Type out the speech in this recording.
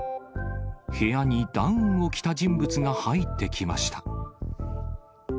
そして、部屋にダウンを着た人物が入ってきました。